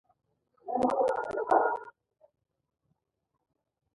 موږ د څو ناروغانو له امله د جګړې اور ته ځو